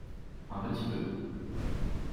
Un petit peu.